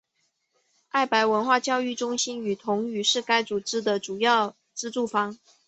爱白文化教育中心与同语是该组织的主要资助方。